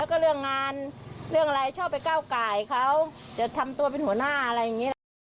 แล้วก็เรื่องงานเรื่องอะไรชอบไปก้าวไก่เขาจะทำตัวเป็นหัวหน้าอะไรอย่างนี้นะคะ